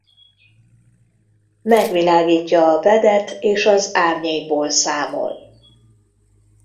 Megvilágítja a pad-et és az árnyékból számol.